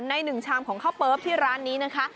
หนึ่งชามของข้าวเปิ๊บที่ร้านนี้นะคะ